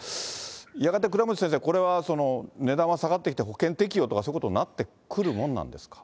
やがて倉持先生、値段は下がってきて、保険適用とか、そういうことになってくるもんなんですか？